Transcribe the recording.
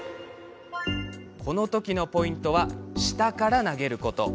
この時のポイントは下から投げること。